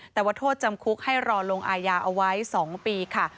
แต่ว่าโทษจำคุกให้รอลงอายาเอาไว้๒ปีค่ะ